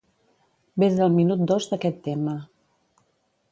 Ves al minut dos d'aquest tema.